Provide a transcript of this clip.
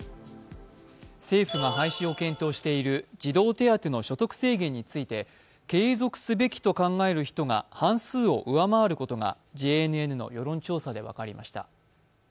政府が廃止を検討している児童手当の所得制限について継続すべきと考える人が半数を上回ることがＪＮＮの世論調査で分かりました。